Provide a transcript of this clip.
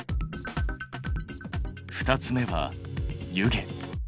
２つ目は湯気。